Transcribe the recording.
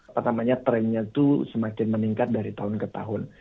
pertamanya trendnya itu semakin meningkat dari tahun ke tahun